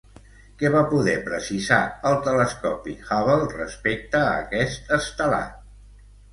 Què va poder precisar el telescopi Hubble respecte a aquest estelat?